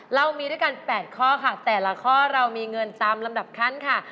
เรามีด้วยกัน๘ข้อค่ะแต่ละข้อเรามีเงินตามลำดับขั้นค่ะ